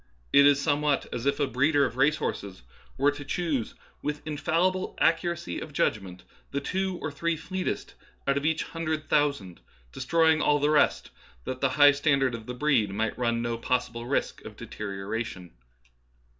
It is somewhat as if a breeder of race horses were to choose, with infallible accuracy of judgmentj the two or three fleetest out of each hundred thousand, destroying all the rest, that the high standard of the breed might run no possible risk of deterioration.